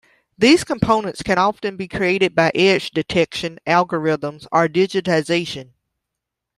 These components can often be created by edge detection algorithms or digitisation.